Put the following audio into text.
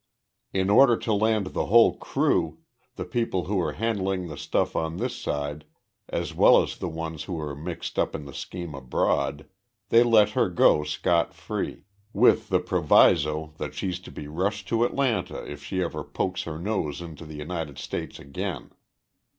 In order to land the whole crew the people who were handling the stuff on this side as well as the ones who were mixed up in the scheme abroad they let her go scot free, with the proviso that she's to be rushed to Atlanta if she ever pokes her nose into the United States again.